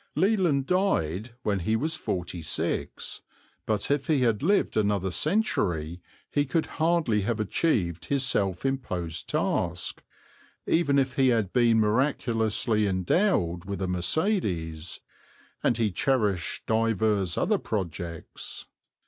Leland died when he was forty six, but if he had lived another century he could hardly have achieved his self imposed task, even if he had been miraculously endowed with a Mercédès; and he cherished divers other projects.